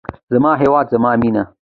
زما هیواد زما مینه.